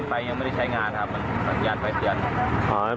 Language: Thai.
ปล่อยมันเสี่ยใช่ไหม